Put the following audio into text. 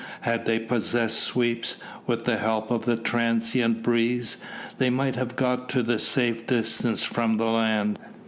Had they possessed sweeps, with the help of the transient breeze, they might have got to a safe distance from the land.